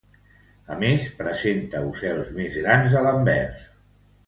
A més, presenta ocels més grans a l'anvers.